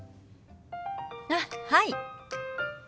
あっはい。